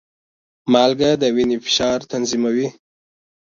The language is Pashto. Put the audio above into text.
مالګه د وینې فشار تنظیموي.